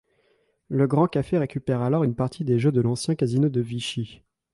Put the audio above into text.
Le Grand Café récupère alors une partie des jeux de l'ancien casino de Vichy.